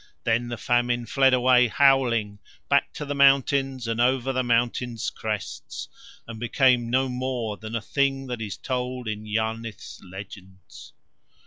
Then the Famine fled away howling back to the mountains and over the mountains' crests, and became no more than a thing that is told in Yarnith's legends.